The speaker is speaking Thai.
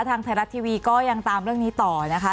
ทางไทยรัฐทีวีก็ยังตามเรื่องนี้ต่อนะคะ